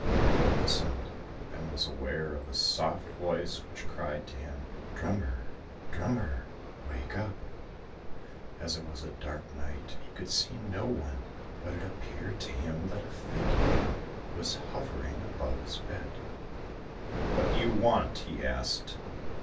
He listened, and was aware of a soft voice which cried to him, "Drummer, drummer, wake up!" As it was a dark night he could see no one, but it appeared to him that a figure was hovering about his bed. "What do you want?" he asked.